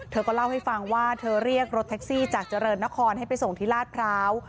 เธอก็เล่าให้ฟังว่าเธอเรียกรถแท็กซี่จากเจริญนครให้ไปส่งที่ลาดพร้าว